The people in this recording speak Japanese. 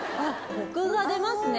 コクが出ますね！